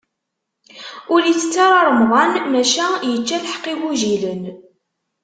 Ur itett ara remḍan, maca yečča lḥeqq igujilen.